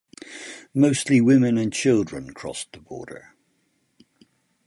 Mostly women and children crossed the border.